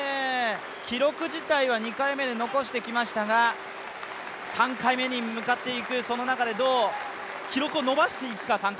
記録自体は２回目で残してきましたが３日目に向かっていく中でどう記録を伸ばしていくか。